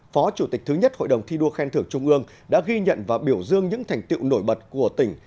phó chủ tịch thứ nhất hội đồng thi đua khen thưởng trung ương đã ghi nhận và biểu dương những thành tiệu nổi bật của tỉnh